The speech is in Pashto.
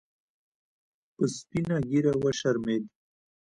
په سپینه ګیره وشرمید